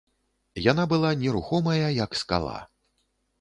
Яна была нерухомая, як скала.